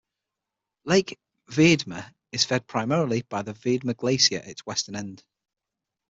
Lake Viedma is fed primarily by the Viedma Glacier at its western end.